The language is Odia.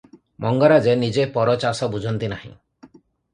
ମଙ୍ଗରାଜେ ନିଜ ପର ଚାଷ ବୁଝନ୍ତି ନାହିଁ ।